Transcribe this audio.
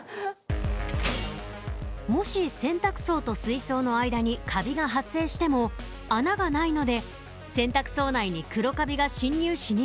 もし洗濯槽と水槽の間にカビが発生しても穴がないので洗濯槽内に黒カビが侵入しにくくなるんです。